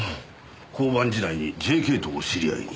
交番時代にＪＫとお知り合いに。